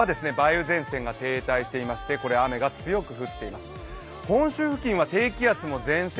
一方で沖縄は梅雨前線が停滞していまして雨が強く降っています。